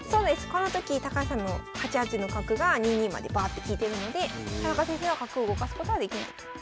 この時高橋さんの８八の角が２二までバーッて利いてるので田中先生は角を動かすことはできないと。